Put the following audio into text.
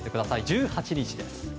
１８日です。